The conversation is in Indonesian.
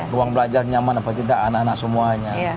ruang belajar nyaman apa tidak anak anak semuanya